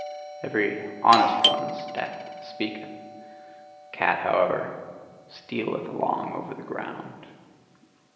Every honest one's step speaketh; the cat however, stealeth along over the ground.